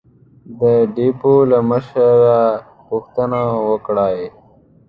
د ډېپو له مشره پوښتنه وکړئ!